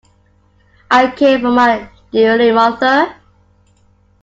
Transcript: I care for my elderly mother.